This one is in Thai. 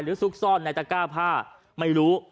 ซุกซ่อนในตะก้าผ้าไม่รู้